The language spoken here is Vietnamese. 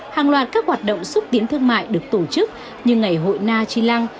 hàng loạt các hoạt động xúc tiến thương mại được tổ chức như ngày hội na chi lăng